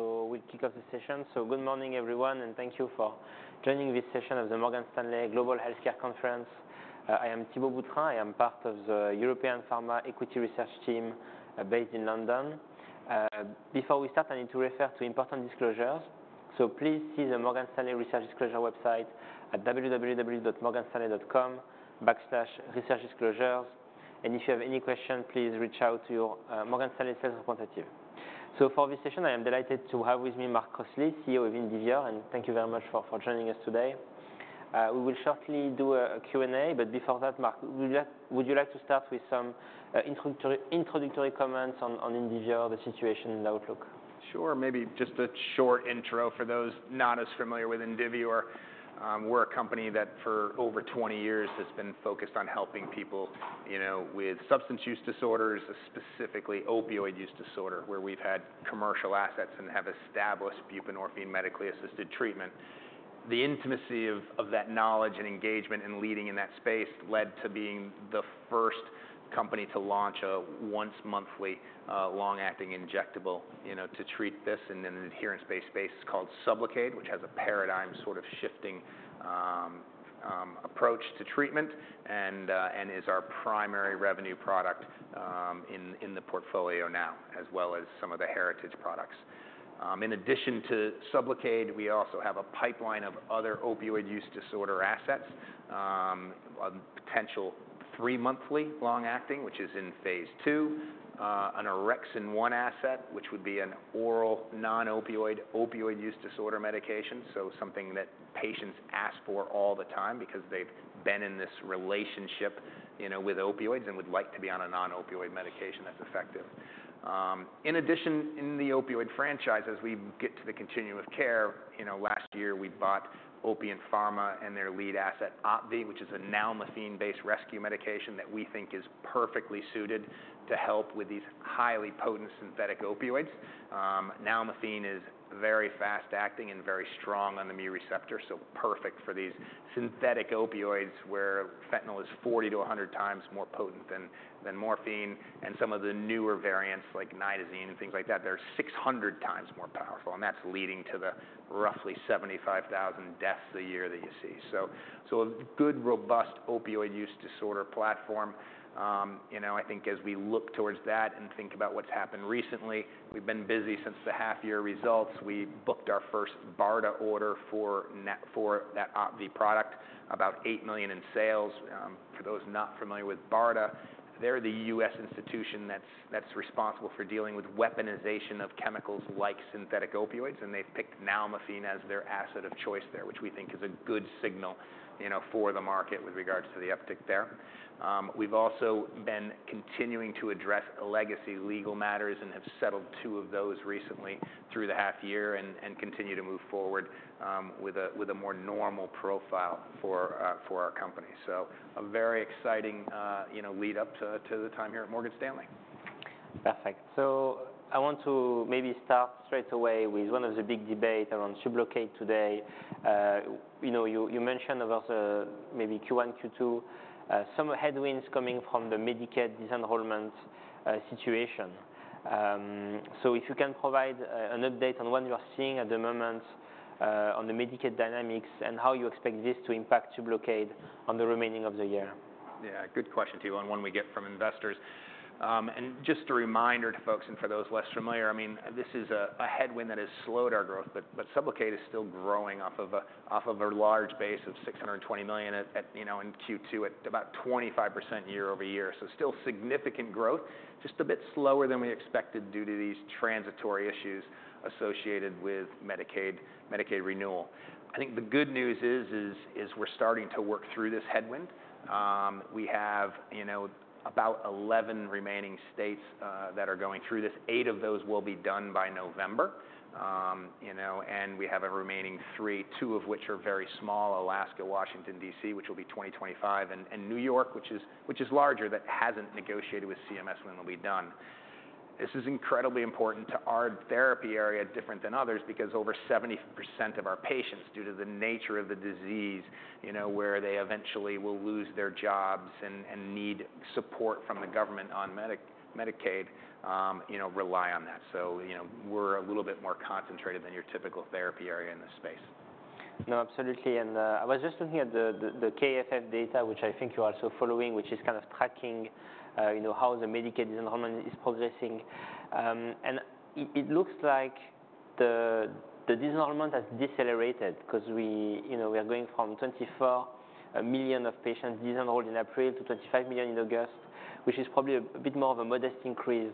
We'll kick off the session. Good morning, everyone, and thank you for joining this session of the Morgan Stanley Global Healthcare Conference. I am Thibault Boutherin. I am part of the European Pharma Equity Research team, based in London. Before we start, I need to refer to important disclosures. Please see the Morgan Stanley research disclosure website at www.morganstanley.com/researchdisclosures. If you have any questions, please reach out to your Morgan Stanley sales representative. For this session, I am delighted to have with me Mark Crossley, CEO of Indivior, and thank you very much for joining us today. We will shortly do a Q&A, but before that, Mark, would you like to start with some introductory comments on Indivior, the situation and outlook? Sure. Maybe just a short intro for those not as familiar with Indivior. We're a company that for over twenty years has been focused on helping people, you know, with substance use disorders, specifically opioid use disorder, where we've had commercial assets and have established buprenorphine medically assisted treatment. The intimacy of that knowledge and engagement and leading in that space led to being the first company to launch a once monthly long-acting injectable, you know, to treat this in an adherence-based space. It's called Sublocade, which has a paradigm sort of shifting approach to treatment, and is our primary revenue product in the portfolio now, as well as some of the heritage products. In addition to Sublocade, we also have a pipeline of other opioid use disorder assets. A potential three monthly long-acting, which is in phase II. An orexin-1 asset, which would be an oral non-opioid, opioid use disorder medication. So something that patients ask for all the time because they've been in this relationship, you know, with opioids and would like to be on a non-opioid medication that's effective. In addition, in the opioid franchise, as we get to the continuum of care, you know, last year we bought Opiant Pharma and their lead asset, Opvee, which is a nalmefene-based rescue medication that we think is perfectly suited to help with these highly potent synthetic opioids. nalmefene is very fast acting and very strong on the mu receptor, so perfect for these synthetic opioids, where fentanyl is forty to a hundred times more potent than morphine. And some of the newer variants, like nitazene and things like that, they're 600 times more powerful, and that's leading to the roughly 75,000 deaths a year that you see. So a good, robust opioid use disorder platform. You know, I think as we look towards that and think about what's happened recently, we've been busy since the half year results. We booked our first BARDA order for net for that Opvee product, about $8 million in sales. For those not familiar with BARDA, they're the U.S. institution that's responsible for dealing with weaponization of chemicals like synthetic opioids, and they've picked nalmefene as their asset of choice there, which we think is a good signal, you know, for the market with regards to the uptick there. We've also been continuing to address legacy legal matters and have settled two of those recently through the half year and continue to move forward with a more normal profile for our company. So a very exciting, you know, lead up to the time here at Morgan Stanley. Perfect. So I want to maybe start straight away with one of the big debate around Sublocade today. You know, you mentioned about maybe Q1, Q2 some headwinds coming from the Medicaid disenrollment situation. So if you can provide an update on what you are seeing at the moment on the Medicaid dynamics and how you expect this to impact Sublocade on the remaining of the year. Yeah, good question, Thibault, and one we get from investors. And just a reminder to folks and for those less familiar, I mean, this is a headwind that has slowed our growth, but Sublocade is still growing off of a large base of $620 million, you know, in Q2, at about 25% year-over-year. So still significant growth, just a bit slower than we expected due to these transitory issues associated with Medicaid renewal. I think the good news is we're starting to work through this headwind. We have, you know, about 11 remaining states that are going through this. Eight of those will be done by November. You know, and we have a remaining three, two of which are very small, Alaska, Washington, D.C., which will be 2025, and New York, which is larger, that hasn't negotiated with CMS when it will be done. This is incredibly important to our therapy area, different than others, because over 70% of our patients, due to the nature of the disease, you know, where they eventually will lose their jobs and need support from the government on Medicaid, you know, rely on that. So, you know, we're a little bit more concentrated than your typical therapy area in this space. No, absolutely. And I was just looking at the KFF data, which I think you're also following, which is kind of tracking you know how the Medicaid disenrollment is progressing. And it looks like the disenrollment has decelerated 'cause we you know we are going from 24 million of patients disenrolled in April to 25 million in August, which is probably a bit more of a modest increase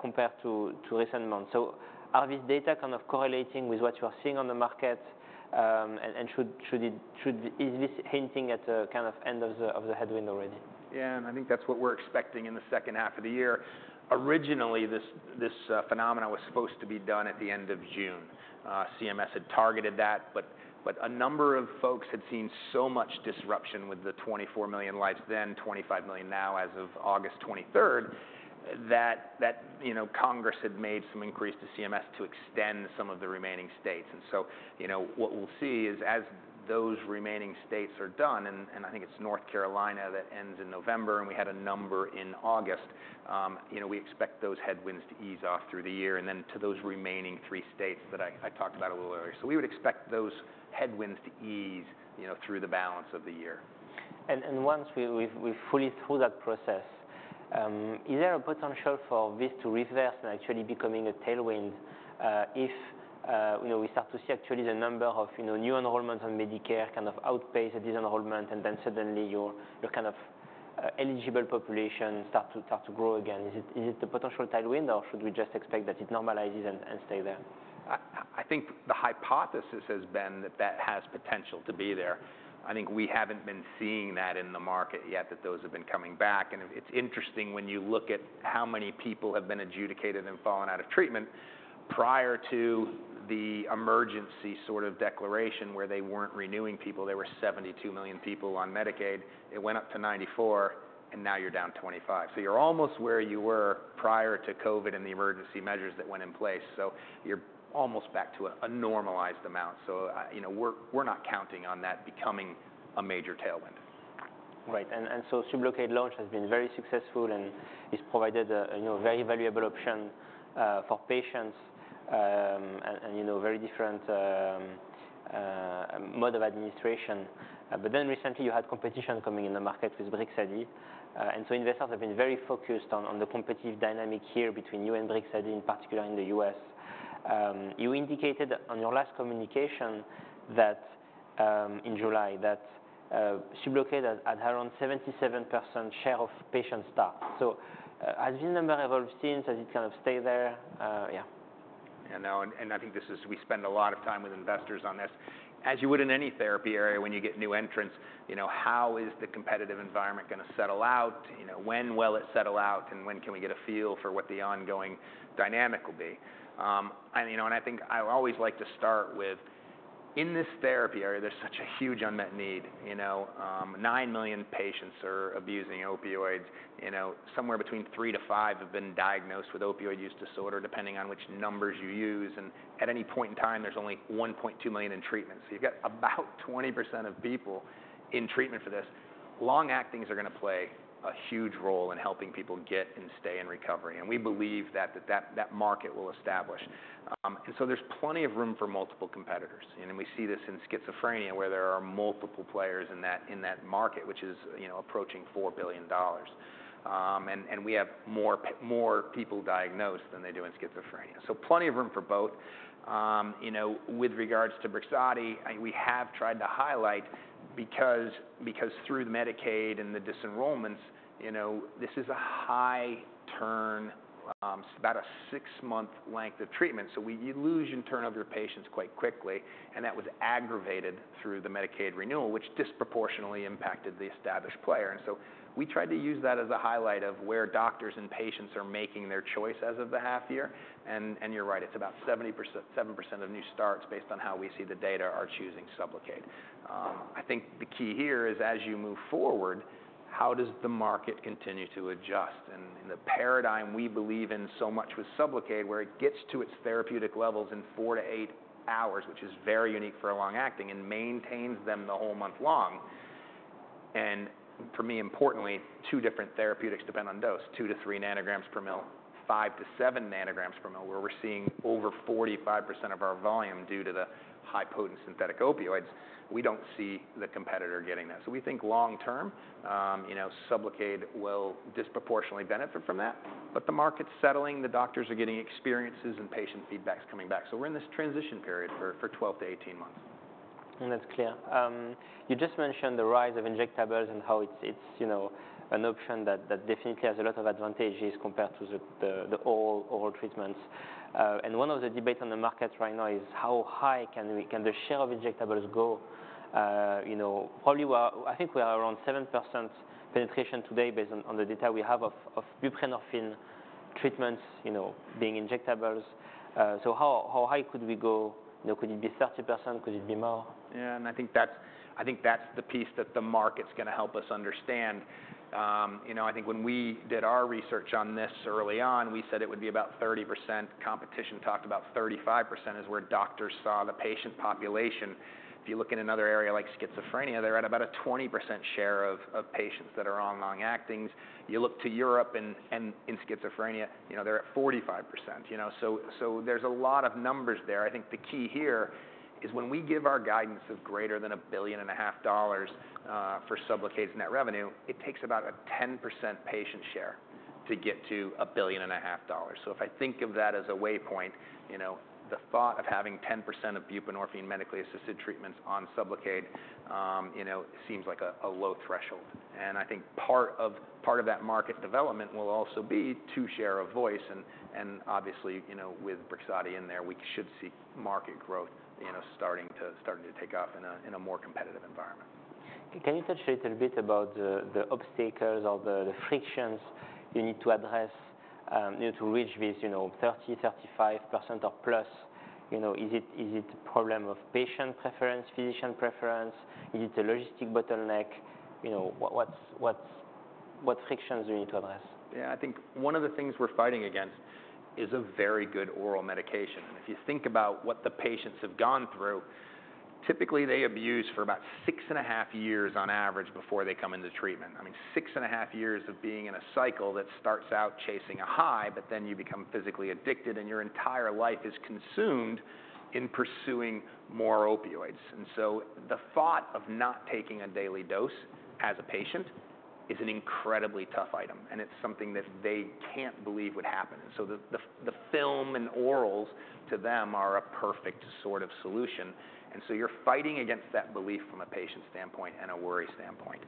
compared to recent months. So are these data kind of correlating with what you are seeing on the market? And should it? Is this hinting at a kind of end of the headwind already? Yeah, and I think that's what we're expecting in the second half of the year. Originally, this phenomenon was supposed to be done at the end of June. CMS had targeted that, but a number of folks had seen so much disruption with the 24 million lives, then 25 million now as of August twenty-third, that, you know, Congress had made some increase to CMS to extend some of the remaining states. And so, you know, what we'll see is, as those remaining states are done, and I think it's North Carolina that ends in November, and we had a number in August. You know, we expect those headwinds to ease off through the year, and then to those remaining three states that I talked about a little earlier. So we would expect those headwinds to ease, you know, through the balance of the year. Once we're fully through that process, is there a potential for this to reverse and actually becoming a tailwind, if, you know, we start to see actually the number of, you know, new enrollments on Medicare kind of outpace the disenrollment, and then suddenly your kind of eligible population start to grow again? Is it a potential tailwind, or should we just expect that it normalizes and stay there? I think the hypothesis has been that that has potential to be there. I think we haven't been seeing that in the market yet, that those have been coming back. It's interesting when you look at how many people have been adjudicated and fallen out of treatment prior to the emergency sort of declaration, where they weren't renewing people. There were 72 million people on Medicaid. It went up to 94 million, and now you're down 25 million. You're almost where you were prior to COVID and the emergency measures that went in place, so you're almost back to a normalized amount. You know, we're not counting on that becoming a major tailwind. Right. And so Sublocade launch has been very successful and it's provided a, you know, very valuable option for patients, and you know, very different mode of administration, but then recently, you had competition coming in the market with Brixadi, and so investors have been very focused on the competitive dynamic here between you and Brixadi, in particular in the U.S. You indicated on your last communication that in July, Sublocade had around 77% share of patient start. So, has this number evolved since? Has it kind of stayed there? Yeah. I think this is. We spend a lot of time with investors on this. As you would in any therapy area, when you get new entrants, you know, how is the competitive environment gonna settle out? You know, when will it settle out, and when can we get a feel for what the ongoing dynamic will be? I think I always like to start with, in this therapy area, there's such a huge unmet need, you know? Nine million patients are abusing opioids. You know, somewhere between three to five have been diagnosed with opioid use disorder, depending on which numbers you use, and at any point in time, there's only 1.2 million in treatment. So you've got about 20% of people in treatment for this. Long-actings are gonna play a huge role in helping people get and stay in recovery, and we believe that market will establish. So there's plenty of room for multiple competitors, and we see this in schizophrenia, where there are multiple players in that market, which is, you know, approaching $4 billion. We have more people diagnosed than they do in schizophrenia, so plenty of room for both. You know, with regards to Brixadi, we have tried to highlight because through the Medicaid and the disenrollments, you know, this is a high turn, about a six-month length of treatment, so you lose and turn over your patients quite quickly, and that was aggravated through the Medicaid renewal, which disproportionately impacted the established player. And so we tried to use that as a highlight of where doctors and patients are making their choice as of the half year. And you're right, it's about 70% of new starts, based on how we see the data, are choosing Sublocade. I think the key here is, as you move forward, how does the market continue to adjust? And the paradigm we believe in so much with Sublocade, where it gets to its therapeutic levels in four to eight hours, which is very unique for a long-acting, and maintains them the whole month long. And for me, importantly, two different therapeutics depend on dose, two to three nanograms per mil, five to seven nanograms per mil, where we're seeing over 45% of our volume due to the highly potent synthetic opioids. We don't see the competitor getting that. So we think long term, you know, Sublocade will disproportionately benefit from that, but the market's settling, the doctors are getting experiences, and patient feedback's coming back. So we're in this transition period for 12 to 18 months. That's clear. You just mentioned the rise of injectables and how it's, you know, an option that definitely has a lot of advantages compared to the oral treatments. One of the debates on the market right now is how high can the share of injectables go? You know, probably I think we are around 7% penetration today based on the data we have of buprenorphine treatments, you know, being injectables. How high could we go? You know, could it be 30%? Could it be more? Yeah, and I think that's the piece that the market's gonna help us understand. You know, I think when we did our research on this early on, we said it would be about 30%. Competition talked about 35%, is where doctors saw the patient population. If you look in another area like schizophrenia, they're at about a 20% share of patients that are on long-actings. You look to Europe and in schizophrenia, you know, they're at 45%. You know, so there's a lot of numbers there. I think the key here is, when we give our guidance of greater than $1.5 billion for Sublocade's net revenue, it takes about a 10% patient share to get to $1.5 billion. So if I think of that as a waypoint, you know, the thought of having 10% of buprenorphine medically assisted treatments on Sublocade, you know, seems like a low threshold. And I think part of that market development will also be to share of voice, and obviously, you know, with Brixadi in there, we should see market growth, you know, starting to take off in a more competitive environment. Can you touch a little bit about the obstacles or the frictions you need to address, you know, to reach this, you know, 30-35% or plus? You know, is it a problem of patient preference, physician preference? Is it a logistic bottleneck? You know, what frictions do you need to address? Yeah. I think one of the things we're fighting against is a very good oral medication, and if you think about what the patients have gone through, typically, they abuse for about six and a half years on average before they come into treatment. I mean, six and a half years of being in a cycle that starts out chasing a high, but then you become physically addicted, and your entire life is consumed in pursuing more opioids. And so the thought of not taking a daily dose as a patient is an incredibly tough item, and it's something that they can't believe would happen. So the film and orals to them are a perfect sort of solution, and so you're fighting against that belief from a patient standpoint and a worry standpoint.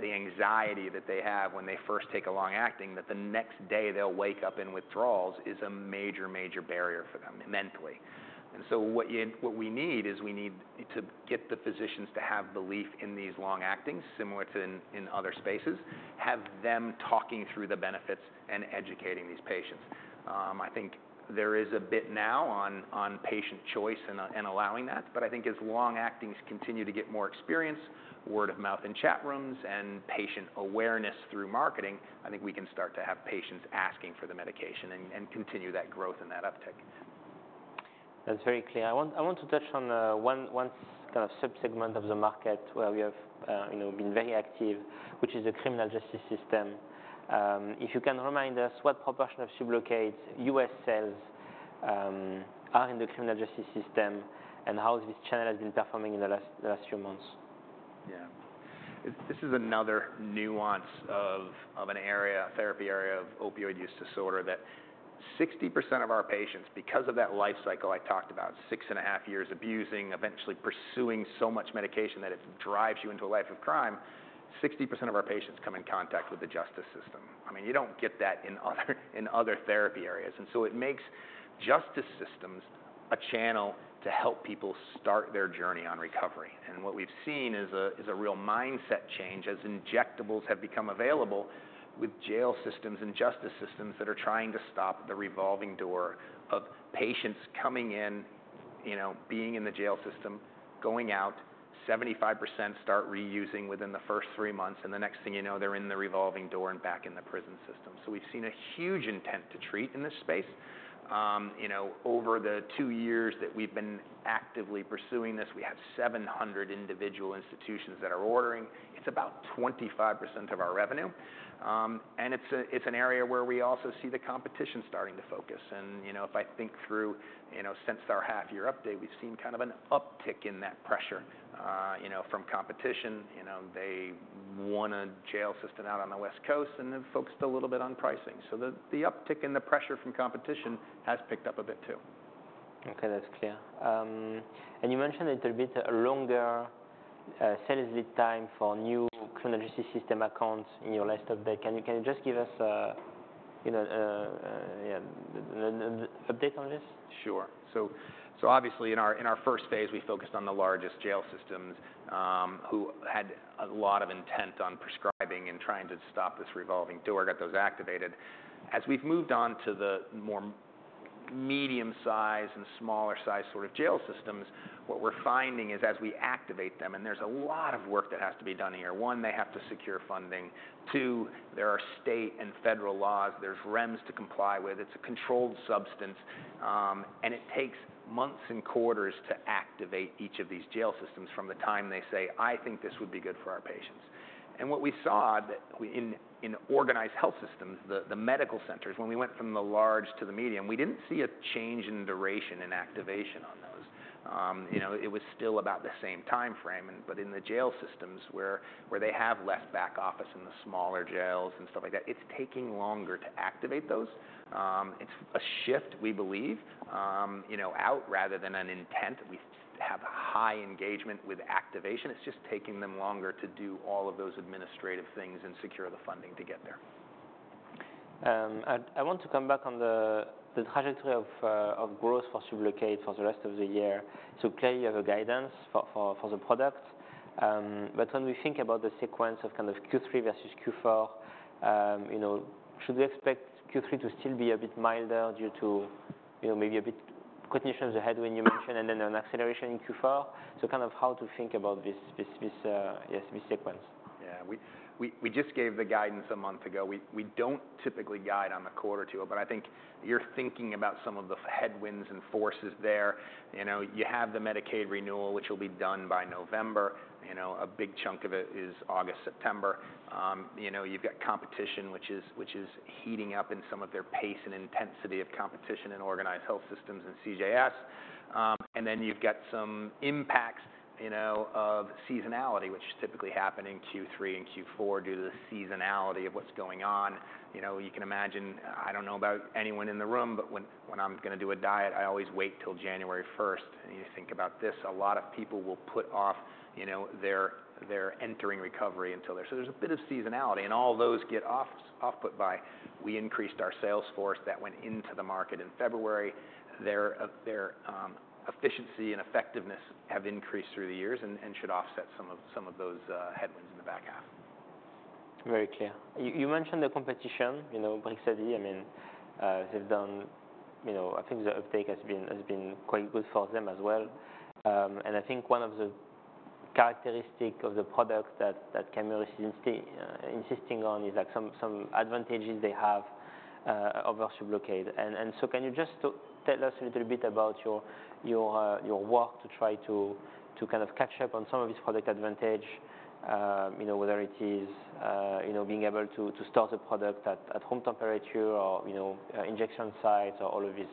The anxiety that they have when they first take a long-acting, that the next day they'll wake up in withdrawals, is a major, major barrier for them mentally, and so what we need is, we need to get the physicians to have belief in these long-acting, similar to in other spaces, have them talking through the benefits and educating these patients. I think there is a bit now on patient choice and allowing that, but I think as long-acting continue to get more experience, word of mouth in chat rooms and patient awareness through marketing, I think we can start to have patients asking for the medication and continue that growth and that uptick. That's very clear. I want to touch on one kind of subsegment of the market where we have, you know, been very active, which is the criminal justice system. If you can remind us what proportion of Sublocade U.S. sales are in the criminal justice system, and how this channel has been performing in the last few months? Yeah. This is another nuance of an area, therapy area of opioid use disorder, that 60% of our patients, because of that life cycle I talked about, six and a half years abusing, eventually pursuing so much medication that it drives you into a life of crime, 60% of our patients come in contact with the justice system. I mean, you don't get that in other therapy areas, and so it makes justice systems a channel to help people start their journey on recovery. What we've seen is a real mindset change, as injectables have become available with jail systems and justice systems that are trying to stop the revolving door of patients coming in, you know, being in the jail system, going out, 75% start reusing within the first three months, and the next thing you know, they're in the revolving door and back in the prison system. So we've seen a huge intent to treat in this space. You know, over the two years that we've been actively pursuing this, we have 700 individual institutions that are ordering. It's about 25% of our revenue. It's an area where we also see the competition starting to focus. You know, if I think through, you know, since our half-year update, we've seen kind of an uptick in that pressure, you know, from competition. You know, they want a jail system out on the West Coast, and they've focused a little bit on pricing. So the uptick in the pressure from competition has picked up a bit, too. Okay, that's clear. And you mentioned a little bit longer sales lead time for new criminal justice system accounts in your last update. Can you just give us a, you know, an update on this? Sure. So, so obviously in our, in our first phase, we focused on the largest jail systems, who had a lot of intent on prescribing and trying to stop this revolving door, got those activated. As we've moved on to the more medium size and smaller size sort of jail systems, what we're finding is as we activate them, and there's a lot of work that has to be done here, one, they have to secure funding. Two, there are state and federal laws, there's REMS to comply with. It's a controlled substance, and it takes months and quarters to activate each of these jail systems from the time they say, "I think this would be good for our patients." And what we saw that we... In organized health systems, the medical centers, when we went from the large to the medium, we didn't see a change in duration and activation on those. You know, it was still about the same timeframe. But in the jail systems, where they have less back office in the smaller jails and stuff like that, it's taking longer to activate those. It's a shift we believe, you know, out rather than an intent. We have high engagement with activation. It's just taking them longer to do all of those administrative things and secure the funding to get there. I want to come back on the trajectory of growth for Sublocade `for the rest of the year. So clearly, you have a guidance for the product, but when we think about the sequence of kind of Q3 versus Q4, you know, should we expect Q3 to still be a bit milder due to, you know, maybe adverse conditions ahead, as you mentioned and then an acceleration in Q4? So kind of how to think about this sequence. Yeah. We just gave the guidance a month ago. We don't typically guide on the quarter two, but I think you're thinking about some of the headwinds and forces there. You know, you have the Medicaid renewal, which will be done by November. You know, a big chunk of it is August, September. You know, you've got competition, which is heating up in some of their pace and intensity of competition in organized health systems and CJS. And then you've got some impacts, you know, of seasonality, which typically happen in Q3 and Q4, due to the seasonality of what's going on. You know, you can imagine, I don't know about anyone in the room, but when I'm gonna do a diet, I always wait till January first. You think about this. A lot of people will put off, you know, their entering recovery until there. So there's a bit of seasonality, and all those get off-put by we increased our sales force that went into the market in February. Their efficiency and effectiveness have increased through the years and should offset some of those headwinds in the back half. Very clear. You mentioned the competition, you know, Brixadi. I mean, they've done. You know, I think the uptake has been quite good for them as well. And I think one of the characteristics of the product that Camurus is insisting on is like some advantages they have over Sublocade. And so can you just to tell us a little bit about your work to try to kind of catch up on some of this product advantage, you know, whether it is, you know, being able to start a product at room temperature or, you know, injection sites or all of these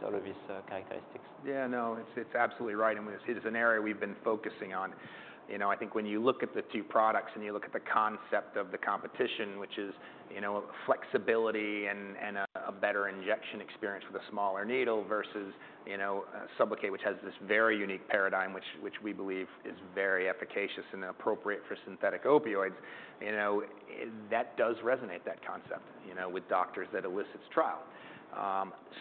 characteristics? Yeah, no, it's absolutely right, and it is an area we've been focusing on. You know, I think when you look at the two products and you look at the concept of the competition, which is, you know, flexibility and a better injection experience with a smaller needle versus, you know, Sublocade, which has this very unique paradigm, which we believe is very efficacious and appropriate for synthetic opioids, you know, that does resonate, that concept, you know, with doctors that elicits trial.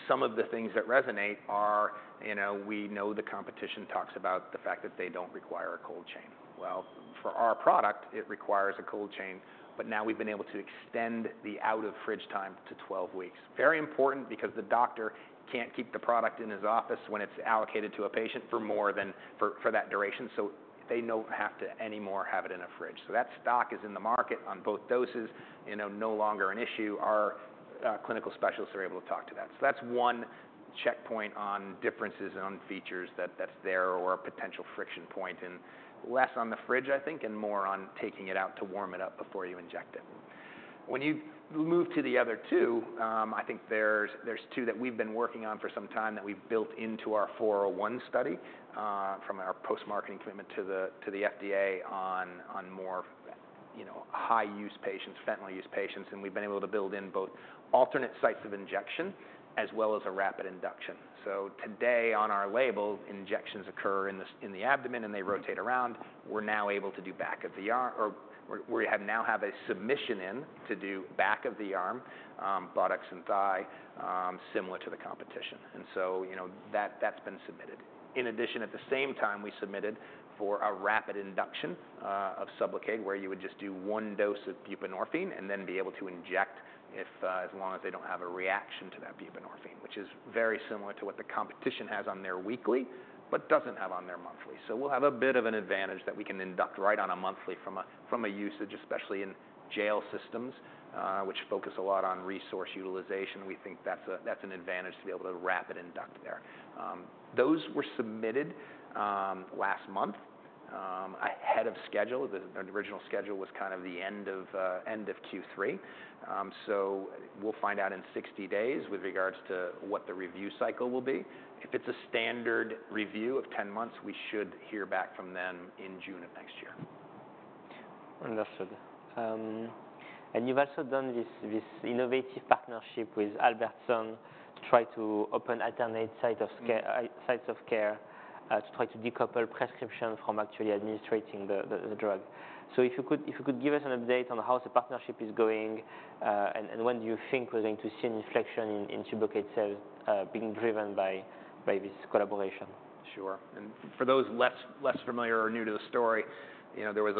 Some of the things that resonate are, you know, we know the competition talks about the fact that they don't require a cold chain. Well, for our product, it requires a cold chain, but now we've been able to extend the out-of-fridge time to 12 weeks. Very important because the doctor can't keep the product in his office when it's allocated to a patient for more than that duration, so they don't have to anymore have it in a fridge. So that stock is in the market on both doses, you know, no longer an issue. Our clinical specialists are able to talk to that. So that's one checkpoint on differences on features that that's there or a potential friction point, and less on the fridge, I think, and more on taking it out to warm it up before you inject it. When you move to the other two, I think there's two that we've been working on for some time that we've built into our four in one study, from our post-marketing commitment to the FDA on more, you know, high-use patients, fentanyl-use patients, and we've been able to build in both alternate sites of injection as well as a rapid induction. So today, on our label, injections occur subcutaneously in the abdomen, and they rotate around. We're now able to do back of the arm. Or we now have a submission in to do back of the arm, buttocks and thigh, similar to the competition, and so, you know, that, that's been submitted. In addition, at the same time, we submitted for a rapid induction of Sublocade, where you would just do one dose of buprenorphine and then be able to inject, as long as they don't have a reaction to that buprenorphine, which is very similar to what the competition has on their weekly, but doesn't have on their monthly. So we'll have a bit of an advantage that we can induct right on a monthly from a usage, especially in jail systems, which focus a lot on resource utilization. We think that's an advantage to be able to rapid induct there. Those were submitted last month, ahead of schedule. The original schedule was kind of the end of Q3. So we'll find out in 60 days with regards to what the review cycle will be. If it's a standard review of 10 months, we should hear back from them in June of next year. Understood. And you've also done this innovative partnership with Albertsons, to try to open alternate sites of care, to try to decouple prescription from actually administering the drug. So if you could give us an update on how the partnership is going, and when do you think we're going to see an inflection in Sublocade sales, being driven by this collaboration? Sure. And for those less familiar or new to the story, you know, there was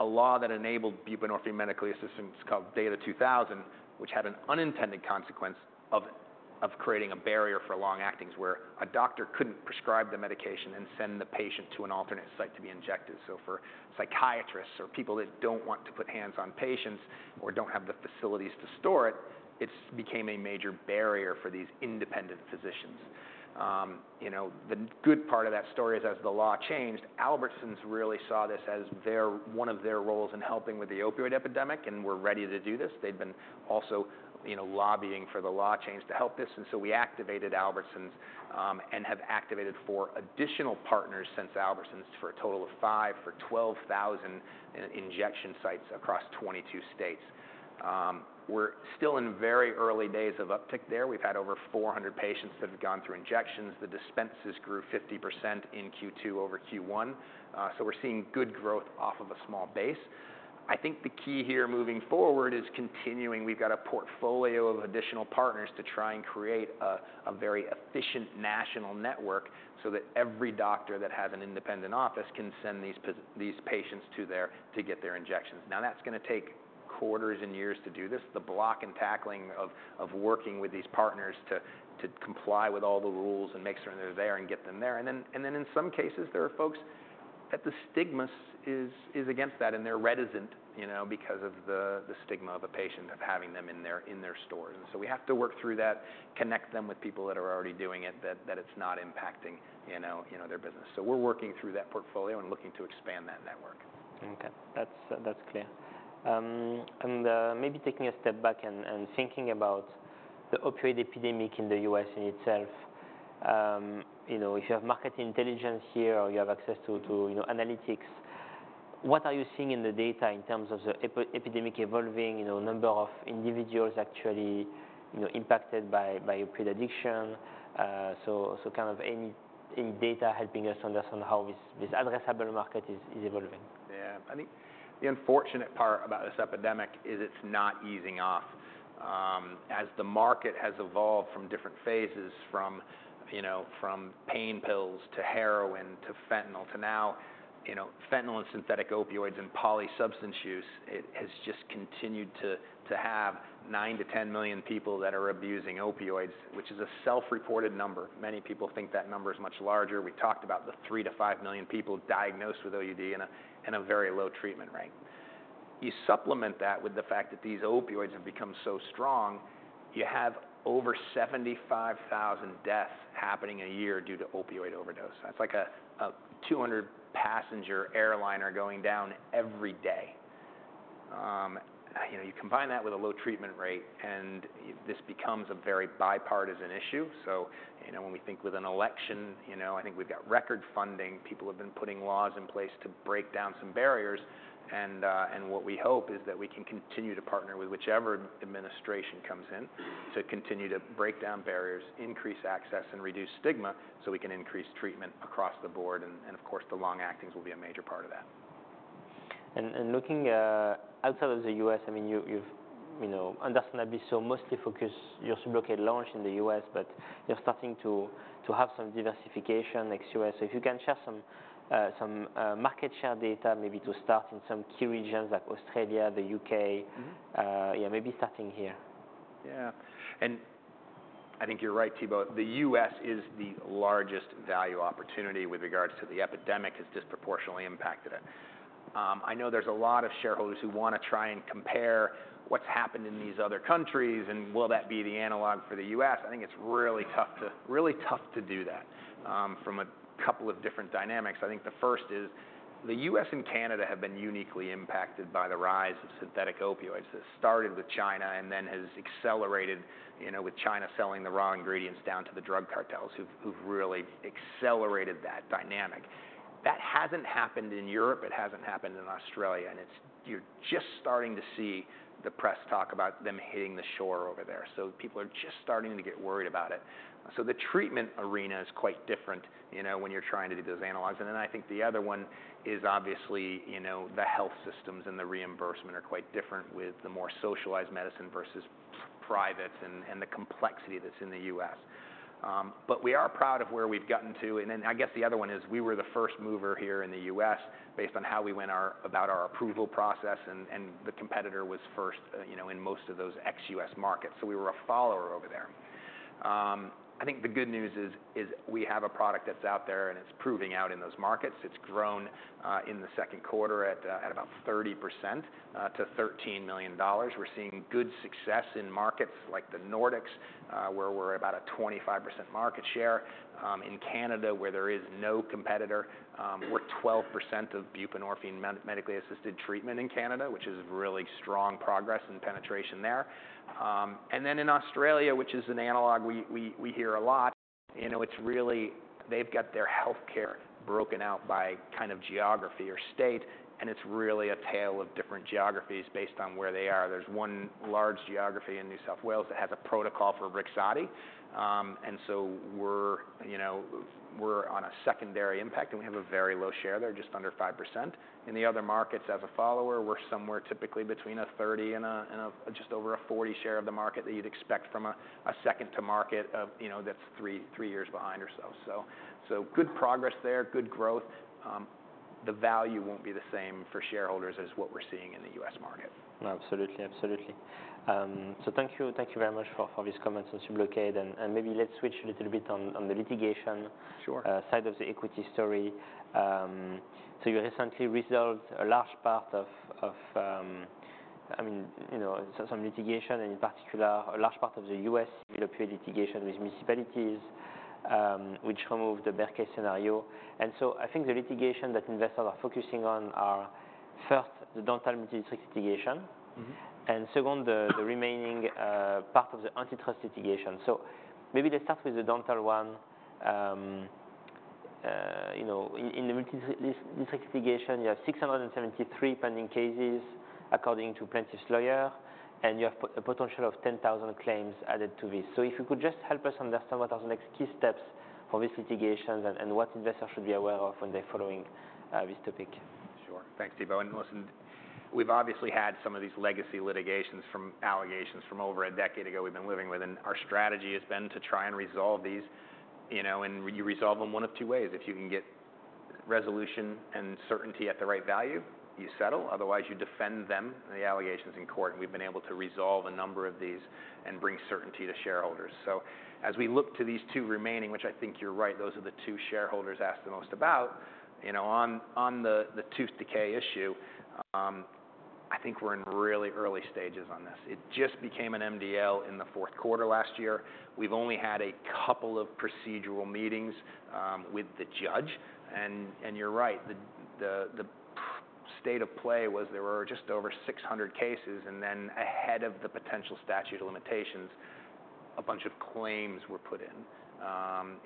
a law that enabled buprenorphine medically assistance, called DATA 2000, which had an unintended consequence of creating a barrier for long-actings, where a doctor couldn't prescribe the medication and send the patient to an alternate site to be injected, so for psychiatrists or people that don't want to put hands on patients or don't have the facilities to store it, it's became a major barrier for these independent physicians. You know, the good part of that story is, as the law changed, Albertsons really saw this as their one of their roles in helping with the opioid epidemic and were ready to do this. They'd been also, you know, lobbying for the law change to help this, and so we activated Albertsons, and have activated four additional partners since Albertsons, for a total of five, for 12,000 injection sites across 22 states. We're still in very early days of uptick there. We've had over 400 patients that have gone through injections. The dispenses grew 50% in Q2 over Q1, so we're seeing good growth off of a small base. I think the key here moving forward is continuing. We've got a portfolio of additional partners to try and create a very efficient national network, so that every doctor that has an independent office can send these patients there to get their injections. Now, that's gonna take quarters and years to do this. The block and tackling of working with these partners to comply with all the rules and make sure they're there and get them there. And then in some cases, there are folks that the stigma is against that, and they're reticent, you know, because of the stigma of a patient, of having them in their stores. And so we have to work through that, connect them with people that are already doing it, that it's not impacting, you know, their business. So we're working through that portfolio and looking to expand that network. Okay. That's, that's clear, and maybe taking a step back and thinking about the opioid epidemic in the U.S. in itself, you know, if you have market intelligence here or you have access to, you know, analytics, what are you seeing in the data in terms of the epidemic evolving, you know, number of individuals actually, you know, impacted by opioid addiction? So kind of any data helping us understand how this addressable market is evolving? Yeah. I think the unfortunate part about this epidemic is it's not easing off. As the market has evolved from different phases, you know, from pain pills, to heroin, to fentanyl, to now, you know, fentanyl and synthetic opioids and poly-substance use, it has just continued to have nine to 10 million people that are abusing opioids, which is a self-reported number. Many people think that number is much larger. We talked about the three to five million people diagnosed with OUD and a very low treatment rate. You supplement that with the fact that these opioids have become so strong, you have over 75,000 deaths happening a year due to opioid overdose. That's like a 200-passenger airliner going down every day. You know, you combine that with a low treatment rate, and this becomes a very bipartisan issue. So, you know, when we think with an election, you know, I think we've got record funding. People have been putting laws in place to break down some barriers, and what we hope is that we can continue to partner with whichever administration comes in, to continue to break down barriers, increase access, and reduce stigma, so we can increase treatment across the board. And, of course, the long-actings will be a major part of that. Looking outside of the U.S., I mean, you've. You know, understandably so, mostly focused your Sublocade launch in the U.S., but you're starting to have some diversification ex-U.S. So if you can share some market share data, maybe to start in some key regions like Australia, the U.K.- Mm-hmm. Yeah, maybe starting here. Yeah. And I think you're right, Thibault. The U.S. is the largest value opportunity with regards to the epidemic, has disproportionately impacted it. I know there's a lot of shareholders who want to try and compare what's happened in these other countries, and will that be the analog for the U.S.? I think it's really tough to do that from a couple of different dynamics. I think the first is, the U.S. and Canada have been uniquely impacted by the rise of synthetic opioids. It started with China, and then has accelerated, you know, with China selling the raw ingredients down to the drug cartels, who've really accelerated that dynamic. That hasn't happened in Europe, it hasn't happened in Australia, and it's. You're just starting to see the press talk about them hitting the shore over there. So people are just starting to get worried about it. So the treatment arena is quite different, you know, when you're trying to do those analogs. And then I think the other one is, obviously, you know, the health systems and the reimbursement are quite different with the more socialized medicine versus private, and the complexity that's in the U.S.. But we are proud of where we've gotten to. And then I guess the other one is, we were the first mover here in the U.S., based on how we went about our approval process, and the competitor was first, you know, in most of those ex-U.S. markets. So we were a follower over there. I think the good news is we have a product that's out there, and it's proving out in those markets. It's grown in the second quarter at about 30% to $13 million. We're seeing good success in markets like the Nordics, where we're about a 25% market share. In Canada, where there is no competitor, we're 12% of buprenorphine medically assisted treatment in Canada, which is really strong progress and penetration there, and then in Australia, which is an analog we hear a lot, you know, it's really. They've got their healthcare broken out by kind of geography or state, and it's really a tale of different geographies based on where they are. There's one large geography in New South Wales that has a protocol for Brixadi, and so we're, you know, on a secondary impact, and we have a very low share there, just under 5%. In the other markets, as a follower, we're somewhere typically between a 30% and a just over a 40% share of the market that you'd expect from a second to market, you know, that's three years behind ourselves, so good progress there, good growth. The value won't be the same for shareholders as what we're seeing in the U.S. market. Absolutely. Absolutely. So thank you, thank you very much for these comments on Sublocade. And maybe let's switch a little bit on the litigation- Sure... side of the equity story. So you recently resolved a large part of I mean, you know, some litigation, and in particular, a large part of the U.S. opioid litigation with municipalities, which removed the best case scenario. And so I think the litigation that investors are focusing on are, first, the generic multidistrict litigation. Mm-hmm. And second, the remaining part of the antitrust litigation. So maybe let's start with the dental one. You know, in this litigation, you have six hundred and 73 pending cases, according to plaintiff's Lawyer, and you have a potential of 10,000 claims added to this. So if you could just help us understand what are the next key steps for this litigation, and what investors should be aware of when they're following this topic? Sure. Thanks, Thibault, and listen, we've obviously had some of these legacy litigations from allegations from over a decade ago we've been living with, and our strategy has been to try and resolve these, you know, and you resolve them one of two ways. If you can get resolution and certainty at the right value, you settle, otherwise, you defend them, the allegations in court, and we've been able to resolve a number of these and bring certainty to shareholders, so as we look to these two remaining, which I think you're right, those are the two shareholders ask the most about, you know, on the tooth decay issue. I think we're in really early stages on this. It just became an MDL in the fourth quarter last year. We've only had a couple of procedural meetings with the judge. You're right, the state of play was there were just over 600 cases, and then ahead of the potential statute of limitations, a bunch of claims were put in.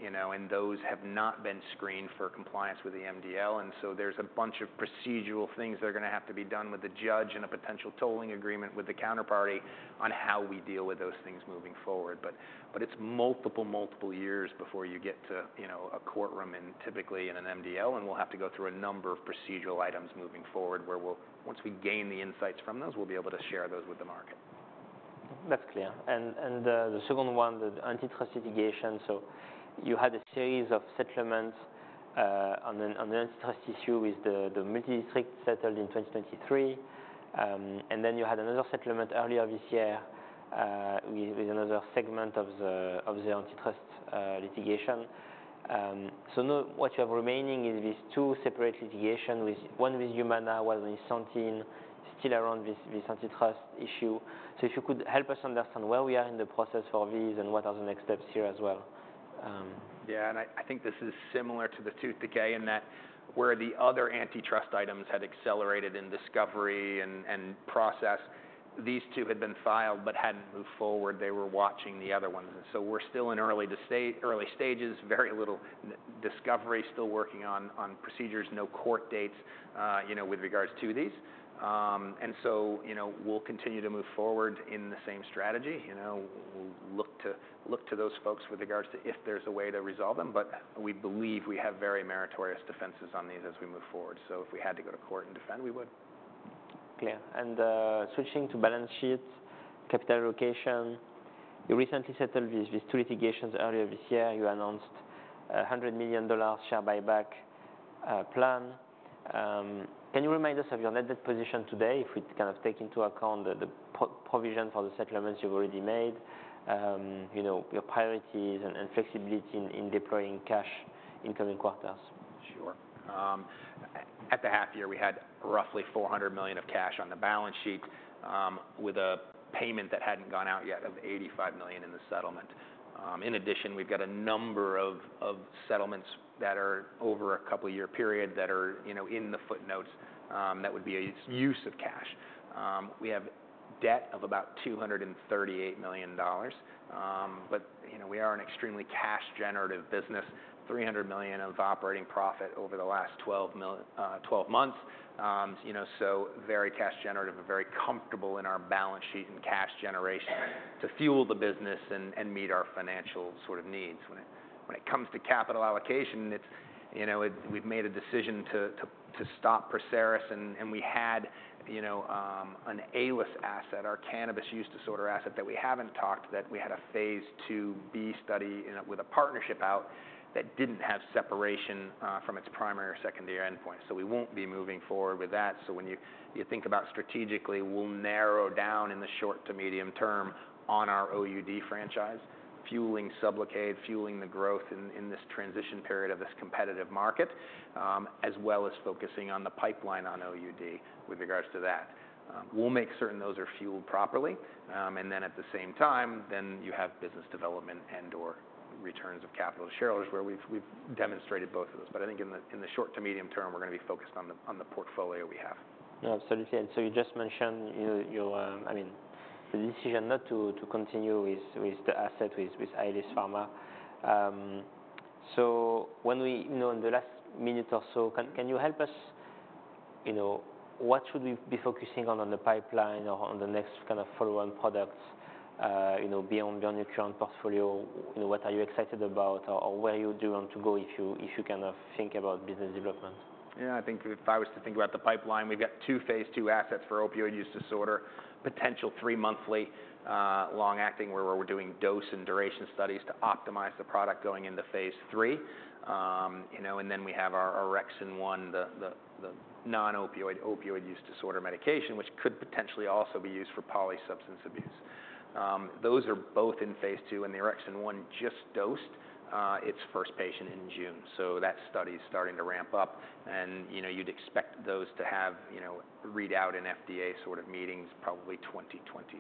You know, and those have not been screened for compliance with the MDL, and so there's a bunch of procedural things that are gonna have to be done with the judge and a potential tolling agreement with the counterparty on how we deal with those things moving forward. But it's multiple years before you get to, you know, a courtroom and typically in an MDL, and we'll have to go through a number of procedural items moving forward, where we'll, once we gain the insights from those, we'll be able to share those with the market. That's clear. And the second one, the antitrust litigation, so you had a series of settlements on the antitrust issue with the multidistrict settled in 2023. And then you had another settlement earlier this year with another segment of the antitrust litigation. So now what you have remaining is these two separate litigation with one with Humana, one with Centene, still around this antitrust issue. So if you could help us understand where we are in the process for these, and what are the next steps here as well. Yeah, and I think this is similar to the tooth decay, in that where the other antitrust items had accelerated in discovery and process, these two had been filed but hadn't moved forward. They were watching the other ones. So we're still in early stages, very little discovery, still working on procedures, no court dates, you know, with regards to these. And so, you know, we'll continue to move forward in the same strategy. You know, we'll look to those folks with regards to if there's a way to resolve them. But we believe we have very meritorious defenses on these as we move forward. So if we had to go to court and defend, we would. Clear. And switching to balance sheet, capital allocation. You recently settled these two litigations earlier this year. You announced a $100 million share buyback plan. Can you remind us of your net debt position today, if we kind of take into account the provision for the settlements you've already made? You know, your priorities and flexibility in deploying cash in coming quarters. Sure. At the half year, we had roughly $400 million of cash on the balance sheet, with a payment that hadn't gone out yet, of $85 million in the settlement. In addition, we've got a number of settlements that are over a couple year period that are, you know, in the footnotes, that would be a use of cash. We have debt of about $238 million. But, you know, we are an extremely cash-generative business, $300 million of operating profit over the last twelve months. You know, so very cash generative and very comfortable in our balance sheet and cash generation to fuel the business and meet our financial sort of needs. When it comes to capital allocation, it's, you know, we've made a decision to stop Perseris. We had, you know, an Aelis asset, our cannabis use disorder asset that we haven't talked, that we had a phase II B-study in a, with a partnership out, that didn't have separation from its primary or secondary endpoint. So we won't be moving forward with that. So when you think about strategically, we'll narrow down in the short to medium term on our OUD franchise, fueling Sublocade, fueling the growth in this transition period of this competitive market, as well as focusing on the pipeline on OUD with regards to that. We'll make certain those are fueled properly, and then at the same time, you have business development and/or returns of capital to shareholders, where we've demonstrated both of those. But I think in the short to medium term, we're gonna be focused on the portfolio we have. Yeah, absolutely. So you just mentioned your I mean, the decision not to continue with the asset with Aelis Farma. So you know, in the last minute or so, can you help us, you know, what should we be focusing on, on the pipeline or on the next kind of follow-on products, you know, beyond your current portfolio? You know, what are you excited about, or where you do want to go if you kind of think about business development? Yeah, I think if I was to think about the pipeline, we've got two phase II assets for opioid use disorder, potential three monthly, long-acting, where we're doing dose and duration studies to optimize the product going into phase III. You know, and then we have our orexin-1, the non-opioid, opioid use disorder medication, which could potentially also be used for poly substance abuse. Those are both in phase II, and the orexin-1 just dosed its first patient in June. So that study's starting to ramp up, and, you know, you'd expect those to have, you know, readout and FDA sort of meetings, probably 2026,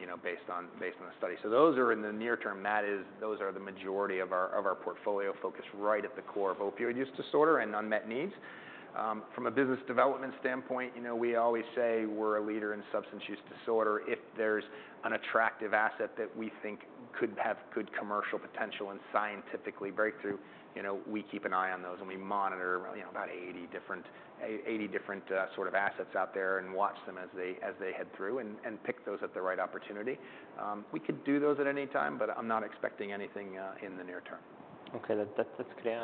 you know, based on the study. So those are in the near term. That is, those are the majority of our portfolio focus, right at the core of opioid use disorder and unmet needs. From a business development standpoint, you know, we always say we're a leader in substance use disorder. If there's an attractive asset that we think could have good commercial potential and scientifically breakthrough, you know, we keep an eye on those, and we monitor, you know, about 80 different sort of assets out there and watch them as they head through, and pick those at the right opportunity. We could do those at any time, but I'm not expecting anything in the near term. Okay, that, that's clear.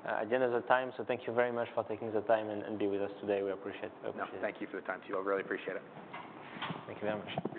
And we are at the end of the time, so thank you very much for taking the time and be with us today. We appreciate it. No, thank you for the time, too. I really appreciate it. Thank you very much.